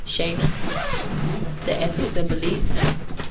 177 THE ETHICS OF BELIEF}